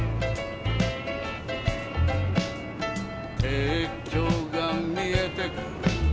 「鉄橋が見えてくる